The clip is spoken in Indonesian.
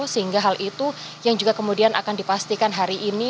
sehingga hal itu yang juga kemudian akan dipastikan hari ini